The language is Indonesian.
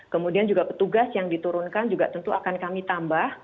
kemudian juga petugas yang diturunkan juga tentu akan kami tambah